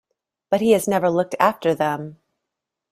But he has never looked after them.